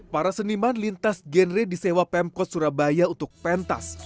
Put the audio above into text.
para seniman lintas genre disewa pemkot surabaya untuk pentas